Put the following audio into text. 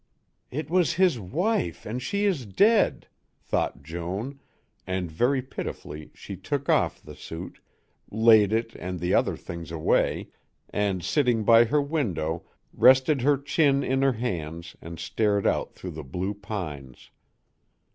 "It was his wife and she is dead," thought Joan, and very pitifully she took off the suit, laid it and the other things away, and sitting by her window rested her chin in her hands and stared out through the blue pines.